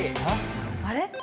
あれ？